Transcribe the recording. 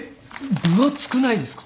分厚くないですか？